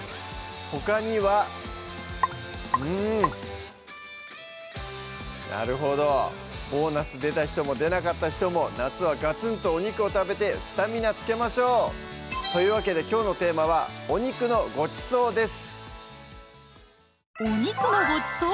ほかにはうんなるほどボーナス出た人も出なかった人も夏はがつんとお肉を食べてスタミナつけましょう！というわけできょうのテーマは「お肉のごちそう」です